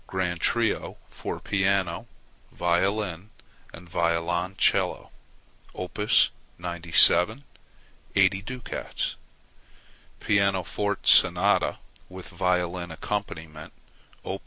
Grand Trio for piano, violin, and violoncello [Op. 97], 80 ducats. Pianoforte Sonata, with violin accompaniment [Op.